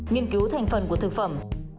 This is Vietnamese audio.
nghiên cứu thành phần của thực phẩm